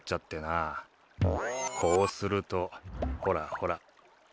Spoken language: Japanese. こうするとほらほら。